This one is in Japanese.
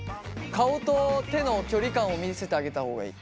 顔と手の距離感を見せてあげた方がいい。